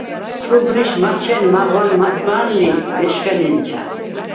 ჭუბრიშ მაჩენ მაღვან-მაწვან ლი მეშხე ნენჩა.